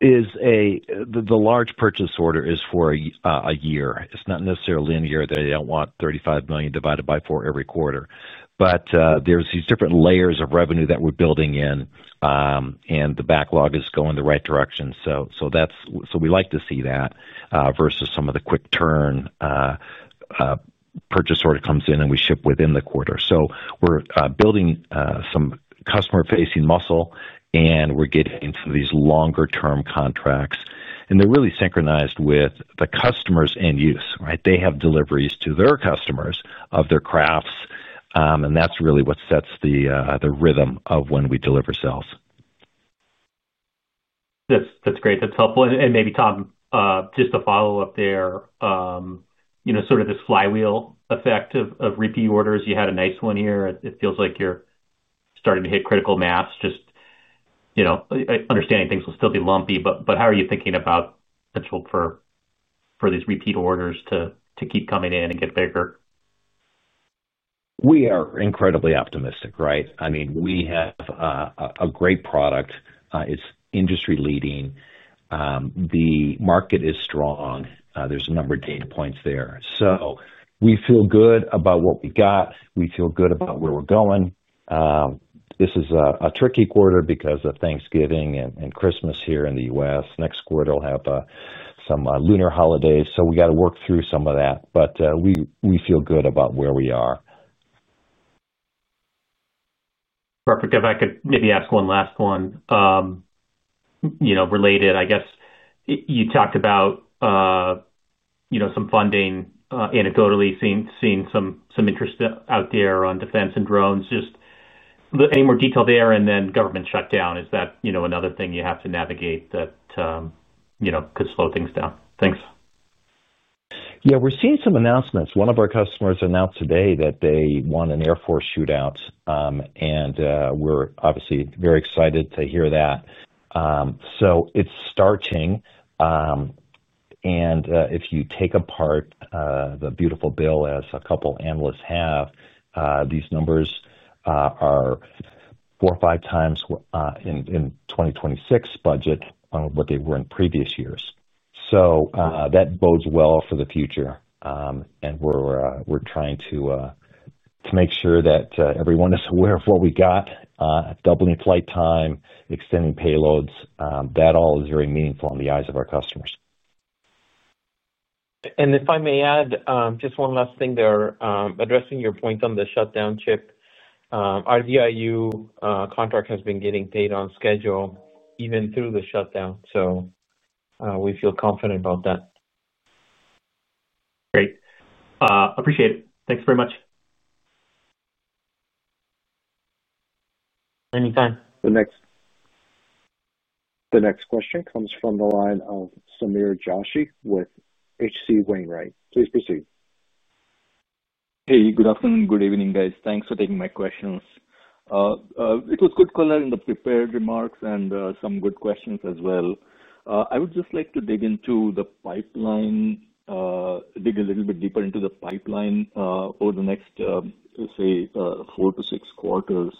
The large purchase order is for a year. It's not necessarily a year that they don't want $35 million divided by four every quarter, but there are these different layers of revenue that we're building in. The backlog is going the right direction. We like to see that versus some of the quick-turn. Purchase order comes in, and we ship within the quarter. We're building some customer-facing muscle, and we're getting into these longer-term contracts. They're really synchronized with the customers' end use, right? They have deliveries to their customers of their crafts. That's really what sets the rhythm of when we deliver sales. That's great. That's helpful. Maybe, Tom, just to follow up there. Sort of this flywheel effect of repeat orders. You had a nice one here. It feels like you're starting to hit critical mass. Just understanding things will still be lumpy. How are you thinking about potential for these repeat orders to keep coming in and get bigger? We are incredibly optimistic, right? I mean, we have a great product. It's industry-leading. The market is strong. There's a number of data points there. We feel good about what we got. We feel good about where we're going. This is a tricky quarter because of Thanksgiving and Christmas here in the U.S. Next quarter, we'll have some lunar holidays. We got to work through some of that. We feel good about where we are. Perfect. If I could maybe ask one last one. Related, I guess, you talked about some funding, anecdotally seeing some interest out there on defense and drones. Any more detail there? And then government shutdown, is that another thing you have to navigate that could slow things down? Thanks. Yeah. We're seeing some announcements. One of our customers announced today that they won an Air Force shootout, and we're obviously very excited to hear that. It's starting. If you take apart the beautiful bill, as a couple of analysts have, these numbers are. Four or five times. In the 2026 budget on what they were in previous years. That bodes well for the future. We are trying to make sure that everyone is aware of what we got, doubling flight time, extending payloads. That all is very meaningful in the eyes of our customers. If I may add just one last thing there, addressing your point on the shutdown, Chip. Our DIU contract has been getting paid on schedule even through the shutdown. We feel confident about that. Great. Appreciate it. Thanks very much. Anytime. The next question comes from the line of Samir Joshi with HC Wainwright. Please proceed. Hey, good afternoon. Good evening, guys. Thanks for taking my questions. It was good color in the prepared remarks and some good questions as well. I would just like to dig into the pipeline. Dig a little bit deeper into the pipeline over the next, say, four to six quarters.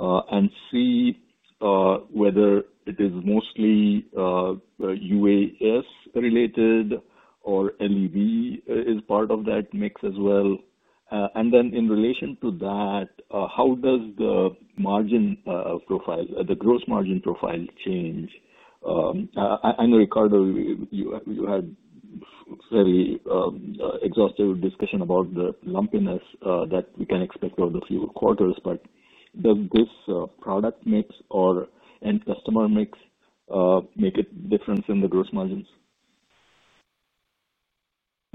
And see whether it is mostly UAS-related or LEV is part of that mix as well. In relation to that, how does the margin profile, the gross margin profile, change? I know, Ricardo, you had a very exhaustive discussion about the lumpiness that we can expect over the few quarters. Does this product mix or end customer mix make a difference in the gross margins?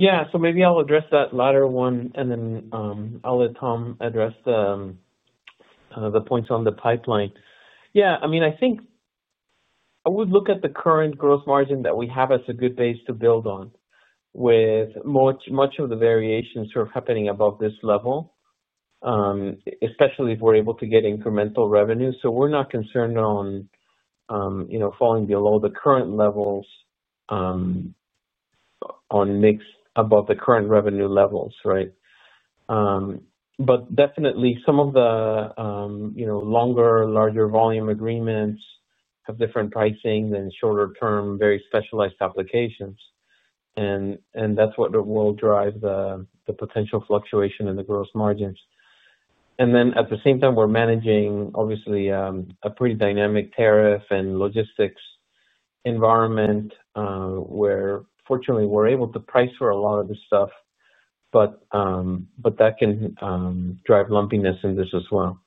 Yeah. Maybe I'll address that latter one, and then I'll let Tom address the points on the pipeline. Yeah. I mean, I think I would look at the current gross margin that we have as a good base to build on, with much of the variation sort of happening above this level, especially if we're able to get incremental revenue. We're not concerned on. Falling below the current levels. Above the current revenue levels, right? Definitely, some of the longer, larger volume agreements have different pricing than shorter-term, very specialized applications. That is what will drive the potential fluctuation in the gross margins. At the same time, we're managing, obviously, a pretty dynamic tariff and logistics environment. Fortunately, we're able to price for a lot of this stuff. That can drive lumpiness in this as well.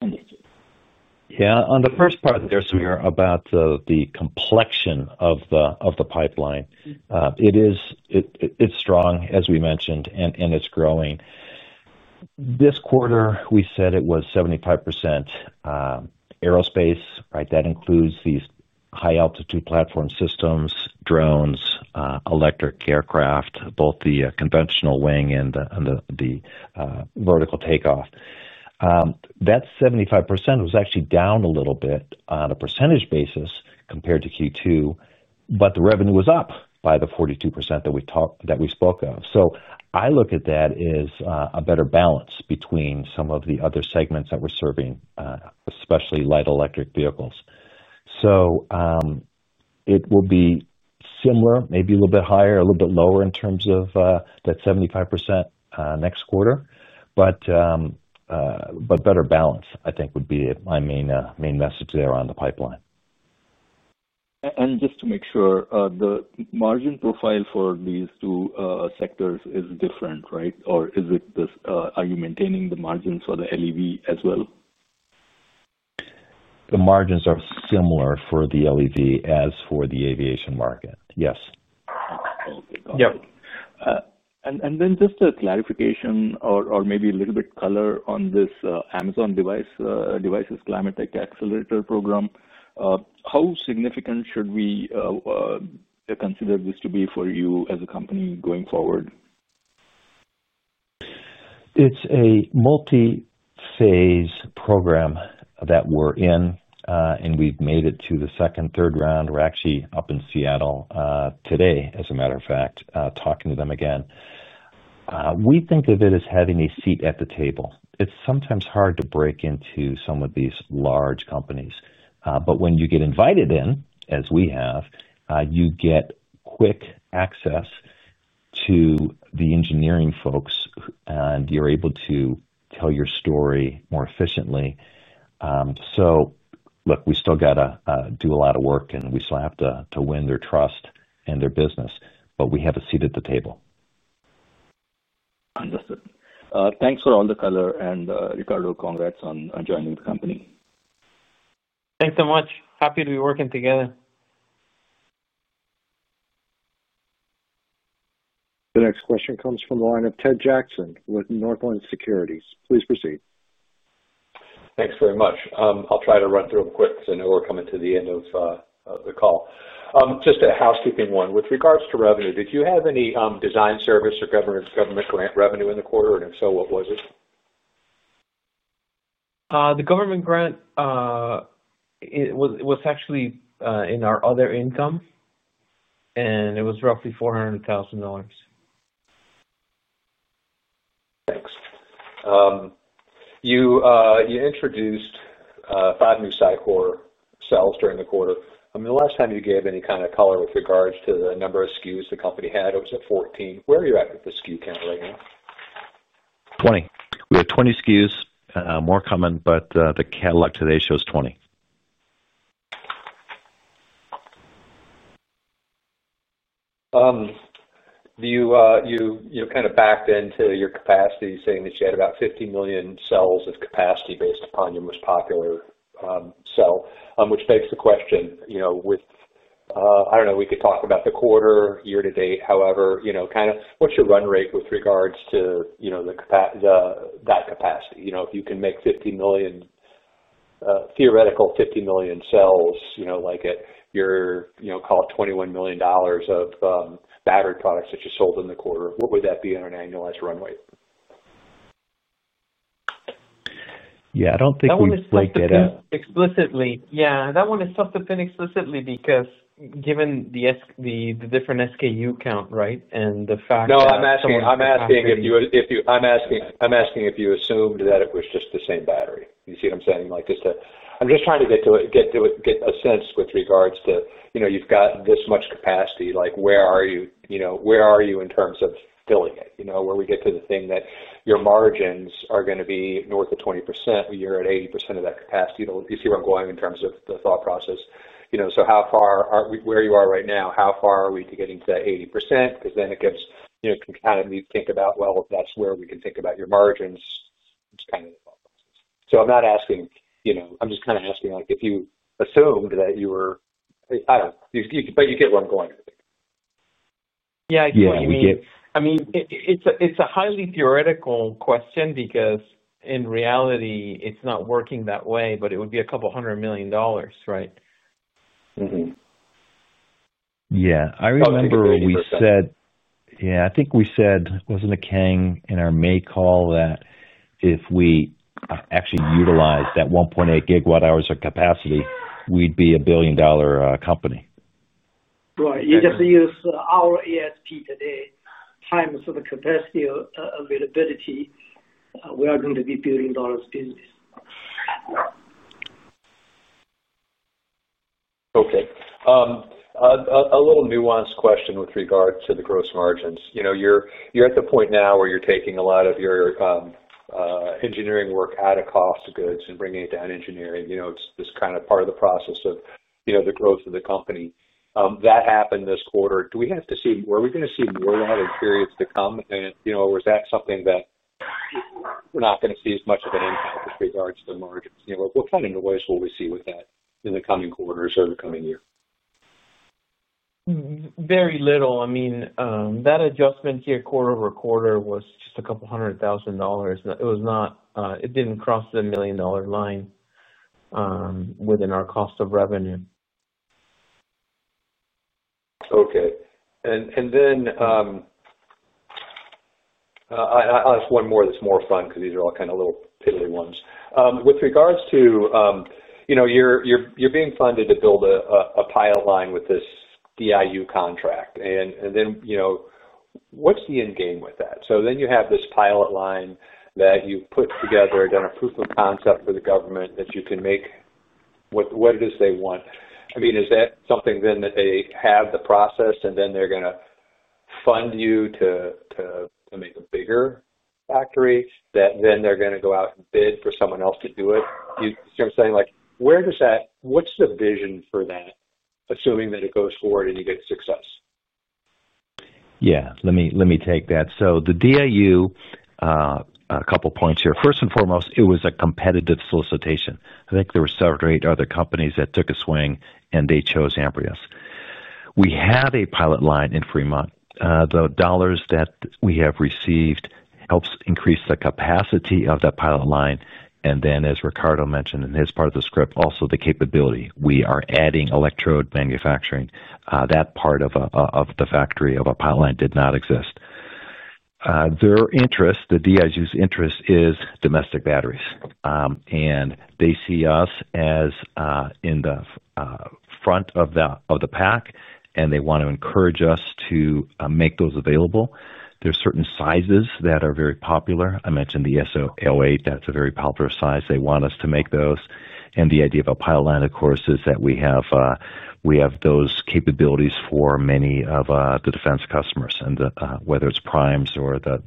Yeah. On the first part there, Samir, about the complexion of the pipeline. It's strong, as we mentioned, and it's growing. This quarter, we said it was 75% aerospace, right? That includes these high-altitude platform systems, drones, electric aircraft, both the conventional wing and the vertical takeoff. That 75% was actually down a little bit on a percentage basis compared to Q2, but the revenue was up by the 42% that we spoke of. I look at that as a better balance between some of the other segments that we're serving, especially light electric vehicles. It will be similar, maybe a little bit higher, a little bit lower in terms of that 75% next quarter. Better balance, I think, would be my main message there on the pipeline. And just to make sure, the margin profile for these two sectors is different, right? Or are you maintaining the margins for the LEV as well? The margins are similar for the LEV as for the aviation market. Yes. Yep. And then just a clarification or maybe a little bit of color on this Amazon Device Climate Tech Accelerator program. How significant should we. Consider this to be for you as a company going forward? It's a multi-phase program that we're in, and we've made it to the second, third round. We're actually up in Seattle today, as a matter of fact, talking to them again. We think of it as having a seat at the table. It's sometimes hard to break into some of these large companies. When you get invited in, as we have, you get quick access to the engineering folks, and you're able to tell your story more efficiently. Look, we still got to do a lot of work, and we still have to win their trust and their business. We have a seat at the table. Understood. Thanks for all the color. And Ricardo, congrats on joining the company. Thanks so much. Happy to be working together. The next question comes from the line of Ted Jackson with Northland Securities. Please proceed. Thanks very much. I'll try to run through them quick because I know we're coming to the end of the call. Just a housekeeping one. With regards to revenue, did you have any design service or government grant revenue in the quarter? And if so, what was it? The government grant was actually in our other income. And it was roughly $400,000. Thanks. You introduced five new CyCore cells during the quarter. I mean, the last time you gave any kind of color with regards to the number of SKUs the company had, it was at 14. Where are you at with the SKU count right now? Twenty. We had 20 SKUs, more common, but the catalog today shows 20. You kind of backed into your capacity, saying that you had about 50 million cells of capacity based upon your most popular cell, which begs the question, with—I don't know, we could talk about the quarter, year to date, however—kind of what's your run rate with regards to that capacity? If you can make 50 million, theoretical 50 million cells, like it, you're calling it $21 million of battery products that you sold in the quarter, what would that be on an annualized runway? Yeah. I don't think we would break it up explicitly. Yeah. That one is tough to pin explicitly because given the different SKU count, right, and the fact that— no, I'm asking if you—I'm asking if you assumed that it was just the same battery. You see what I'm saying? I'm just trying to get a sense with regards to you've got this much capacity. Where are you in terms of filling it? Where we get to the thing that your margins are going to be north of 20%, you're at 80% of that capacity. You see where I'm going in terms of the thought process. So where you are right now, how far are we to getting to that 80%? Because then it can kind of think about, well, that's where we can think about your margins. It's kind of the thought process. I'm not asking—I'm just kind of asking if you assumed that you were—I don't know. But you get where I'm going, I think. Yeah. I mean. It's a highly theoretical question because in reality, it's not working that way, but it would be a couple of hundred million dollars, right? Yeah. I remember we said— yeah, I think we said, wasn't it, Kang, in our May call that if we actually utilized that 1.8 gigawatt-hours of capacity, we'd be a billion-dollar company? Right. You just use our ESP today times the capacity availability. We are going to be billion-dollar business. Okay. A little nuanced question with regard to the gross margins. You're at the point now where you're taking a lot of your engineering work out of cost goods and bringing it down engineering. It's just kind of part of the process of the growth of the company. That happened this quarter. Do we have to see—are we going to see more of that in periods to come? And was that something that. We're not going to see as much of an impact with regards to margins? What kind of noise will we see with that in the coming quarters or the coming year? Very little. I mean, that adjustment here, quarter over quarter, was just a couple of hundred thousand dollars. It did not cross the million-dollar line. Within our cost of revenue. Okay. I will ask one more that is more fun because these are all kind of little piddly ones. With regards to you being funded to build a pilot line with this DIU contract. What is the end game with that? You have this pilot line that you have put together, done a proof of concept for the government that you can make what it is they want. I mean, is that something then that they have the process, and then they are going to fund you to. Make a bigger factory that then they're going to go out and bid for someone else to do it? You see what I'm saying? What's the vision for that, assuming that it goes forward and you get success? Yeah. Let me take that. The DIU. A couple of points here. First and foremost, it was a competitive solicitation. I think there were several other companies that took a swing, and they chose Amprius. We have a pilot line in Fremont. The dollars that we have received helps increase the capacity of that pilot line. And then, as Ricardo mentioned in his part of the script, also the capability. We are adding electrode manufacturing. That part of the factory of a pilot line did not exist. Their interest, the DIU's interest, is domestic batteries. They see us. In the. Front of the pack, and they want to encourage us to make those available. There are certain sizes that are very popular. I mentioned the SA08. That's a very popular size. They want us to make those. The idea of a pilot line, of course, is that we have those capabilities for many of the defense customers, whether it's Primes or the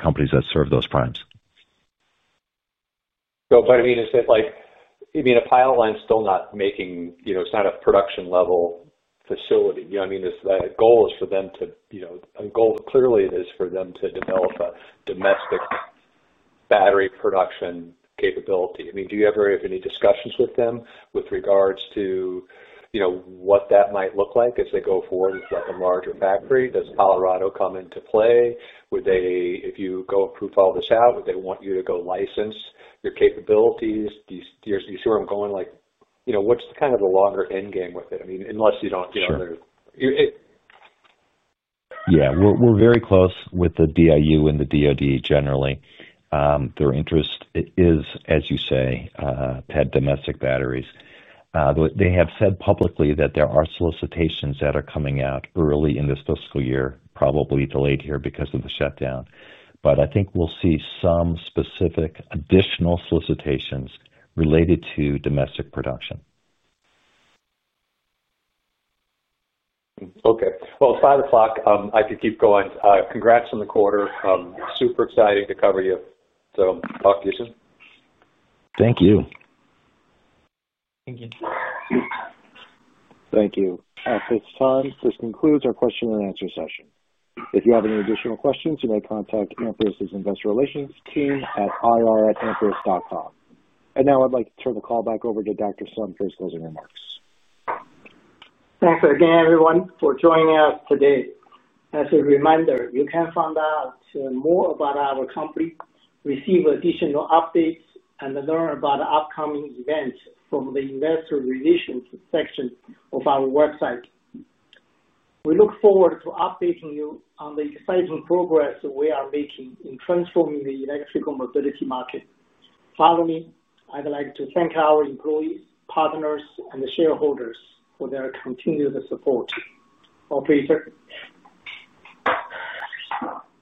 companies that serve those Primes. I mean, is it like—I mean, a pilot line's still not making—it's not a production-level facility. The goal is for them to—the goal, clearly, is for them to develop a domestic battery production capability. I mean, do you ever have any discussions with them with regards to what that might look like as they go forward with a larger factory? Does Colorado come into play? If you go and prove all this out, would they want you to go license your capabilities? You see where I'm going? What's kind of the longer end game with it? I mean, unless you don't—. Yeah. We're very close with the DIU and the DOD generally. Their interest is, as you say. Had domestic batteries. They have said publicly that there are solicitations that are coming out early in this fiscal year, probably delayed here because of the shutdown. I think we'll see some specific additional solicitations related to domestic production. It is 5:00 P.M. I could keep going. Congrats on the quarter. Super exciting to cover you. Talk to you soon. Thank you. Thank you. Thank you. At this time, this concludes our question and answer session. If you have any additional questions, you may contact Amprius' investor relations team at ir@amprius.com. I would like to turn the call back over to Dr. Sun for his closing remarks. Thanks again, everyone, for joining us today. As a reminder, you can find out more about our company, receive additional updates, and learn about upcoming events from the investor relations section of our website. We look forward to updating you on the exciting progress we are making in transforming the electrical mobility market. Finally, I would like to thank our employees, partners, and shareholders for their continued support.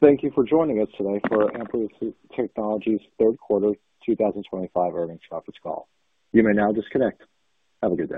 Thank you for joining us today for Amprius Technologies' third quarter 2025 earnings conference call. You may now disconnect. Have a good day.